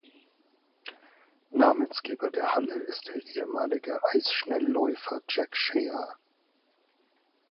Namensgeber der Halle ist der ehemalige Eisschnellläufer Jack Shea.